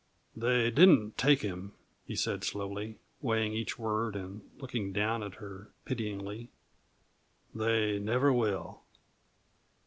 "They didn't take him," he said slowly, weighing each word and looking down at her pityingly "They never will.